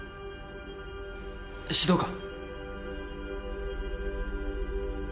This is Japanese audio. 指導官。